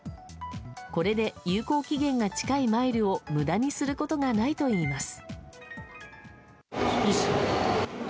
これで有効期限が近いマイルを無駄にすることがないといいます。